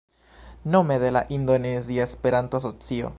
Nome de la Indonezia Esperanto-Asocio